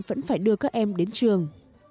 vẫn phải đưa các em đến trường